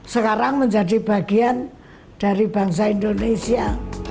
sekarang menjadi bagian dari bangsa indonesia